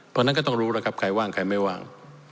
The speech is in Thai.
เพราะฉะนั้นก็ต้องรู้แล้วครับใครว่างใครไม่ว่าง